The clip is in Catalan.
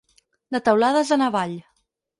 De teulades en avall.